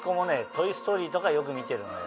『トイ・ストーリー』とかよく見てるのよ。